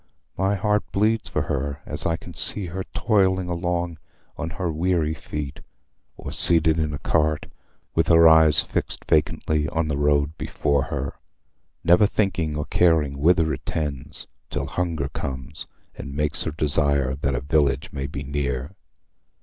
My heart bleeds for her as I see her toiling along on her weary feet, or seated in a cart, with her eyes fixed vacantly on the road before her, never thinking or caring whither it tends, till hunger comes and makes her desire that a village may be near.